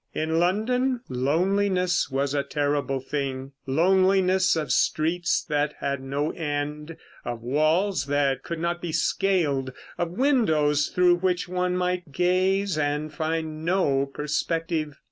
In London loneliness was a terrible thing: loneliness of streets that had no end, of walls that could not be scaled, of windows through which one might gaze and find no perspective.